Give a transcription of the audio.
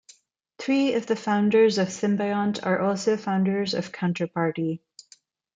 Three of the founders of Symbiont are also founders of Counterparty.